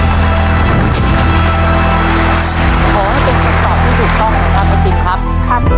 ขอให้เป็นตอบที่ถูกต้องนะครับไอติมครับครับ